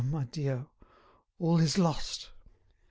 my dear, all is lost."